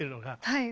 はい。